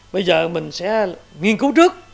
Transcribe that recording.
bây giờ mình sẽ nghiên cứu trước